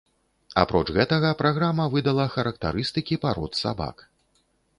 Апроч гэтага, праграма выдала характарыстыкі парод сабак.